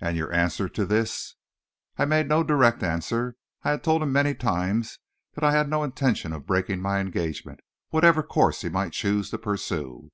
"And your answer to this?" "I made no direct answer. I had told him many times that I had no intention of breaking my engagement, whatever course he might choose to pursue."